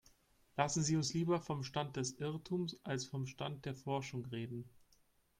Lassen Sie uns lieber vom Stand des Irrtums als vom Stand der Forschung reden.